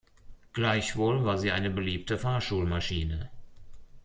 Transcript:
Gleichwohl war sie eine beliebte Fahrschul-Maschine.